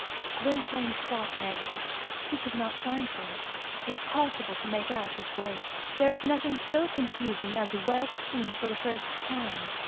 Gwynplaine sought an exit. He could not find one. Impossible to make out his way. There is nothing so confusing as wealth seen for the first time.